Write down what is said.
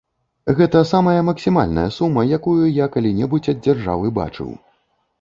Гэта самая максімальная сума, якую я калі-небудзь ад дзяржавы бачыў.